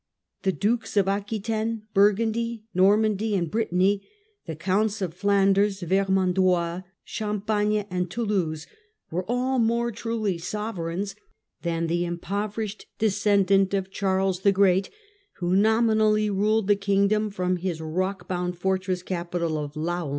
The Dukes of Aquitaine, Burgundy, Normandy and Britanny, the Counts of Flanders, Ver mandois, Champagne and Toulouse, were all more truly sovereigns than the impoverished descendant of Charles the Great, who nominally ruled the kingdom from his rock bound fortress capital of Laon.